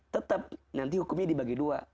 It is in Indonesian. tetap nanti hukumnya dibagi dua